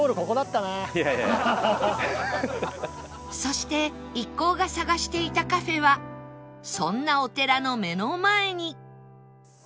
そして一行が探していたカフェはそんなお寺の目の前に